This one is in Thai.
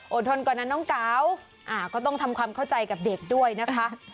ทนก่อนนะน้องเก๋าก็ต้องทำความเข้าใจกับเด็กด้วยนะคะ